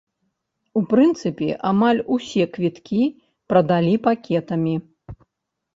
У прынцыпе, амаль усе квіткі прадалі пакетамі.